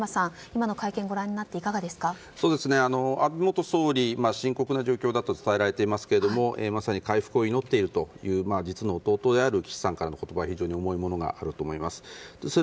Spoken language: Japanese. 今の会見、ご覧になって安倍元総理は深刻な状況だと伝えられていますがまさに回復を祈っているという実の弟である岸さんからの言葉非常に重いものがあると思います。